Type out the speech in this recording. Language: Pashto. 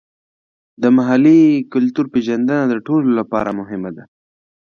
د محلي کلتور پیژندنه د ټولو لپاره مهمه ده.